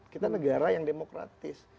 kita negara yang demokratis